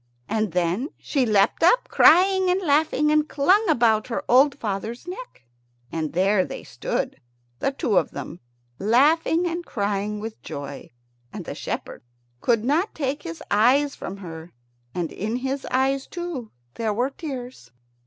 And then she leapt up, crying and laughing, and clung about her old father's neck. And there they stood, the two of them, laughing and crying with joy. And the shepherd could not take his eyes from her, and in his eyes, too, there were tears.